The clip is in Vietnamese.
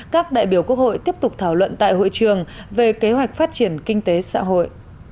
các đại biểu quốc hội tiếp tục thảo luận tại hội trường về kế hoạch phát triển kinh tế xã hội